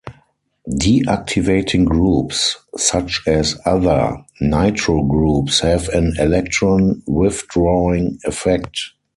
Deactivating groups such as other nitro groups have an electron-withdrawing effect.